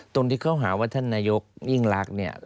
คนที่เขาหาว่าท่านนายกยิ่งรักเนี่ย